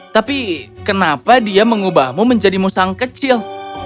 tapi kenapa dia mengubahmu menjadi musang kecil